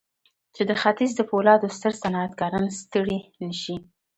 چې د ختيځ د پولادو ستر صنعتکاران ستړي نه شي.